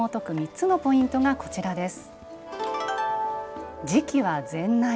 ３つのポイントがこちらです。